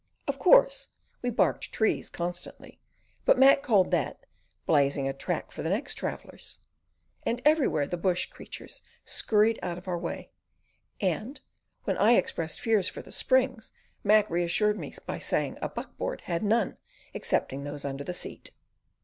Of course we barked trees constantly, but Mac called that "blazing a track for the next travellers," and everywhere the bush creatures scurried out of our way; and when I expressed fears for the springs, Mac reassured me by saying a buck board had none, excepting those under the seat.